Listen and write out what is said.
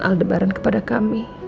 aldebaran kepada kami